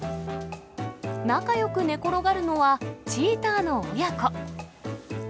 仲よく寝転がるのは、チーターの親子。